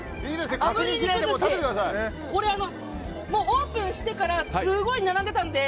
オープンしてからすごい並んでたんで。